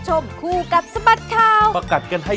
สวัสดีค่ะ